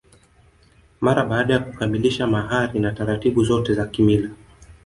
Mara baada ya kukamilisha mahari na taratibu zote za kimila